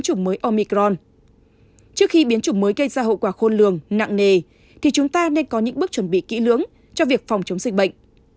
trước khi biến chủng mới gây ra hậu quả khôn lường nặng nề thì chúng ta nên có những bước chuẩn bị kỹ lưỡng cho việc phòng chống dịch bệnh